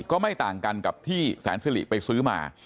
ก็ไม่ต่างกันกับที่แสนสิริไปซื้อมา